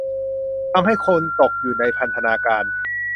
ทำให้คุณตกอยู่ในพันธนาการ